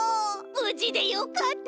ぶじでよかった！